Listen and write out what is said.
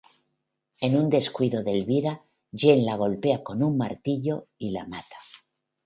En un descuido de Elvira, Jane la golpea con un martillo y la mata.